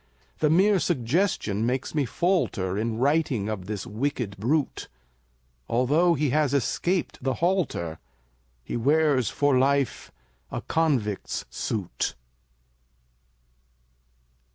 The mere suggestion makes me falter In writing of this wicked brute; Although he has escaped the halter, He wears for life a convict's suit.